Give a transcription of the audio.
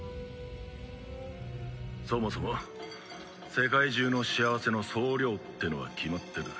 そもそも世界中の幸せの総量ってのは決まってる。